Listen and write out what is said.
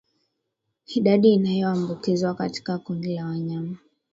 Idadi inayoambukizwa katika kundi la wanyama